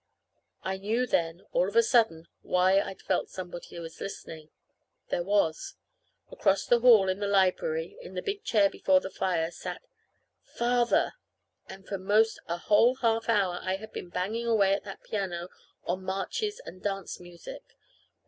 I knew then, all of a sudden, why I'd felt somebody was listening. There was. Across the hall in the library in the big chair before the fire sat Father! And for 'most a whole half hour I had been banging away at that piano on marches and dance music!